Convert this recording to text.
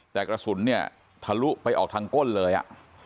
แต่กระสุนเนี่ยทะลุไปออกทางก้นเลยอ่ะ